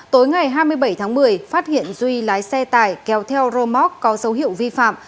tối ngày hai mươi bảy tháng một mươi phát hiện duy lái xe tải kéo theo rơ móc có dấu hiệu vi phạm